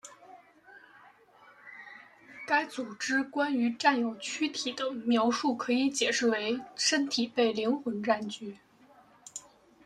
该组织关于占有躯体的描述可以解释为身体被灵魂占据。